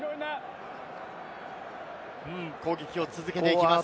攻撃を続けていきます。